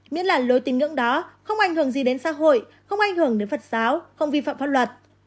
miễn là lối tin ngưỡng đó không ảnh hưởng gì đến xã hội không ảnh hưởng đến phật giáo không vi phạm pháp luật